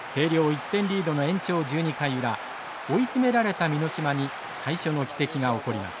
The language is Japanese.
１点リードの延長１２回裏追い詰められた箕島に最初の奇跡が起こります。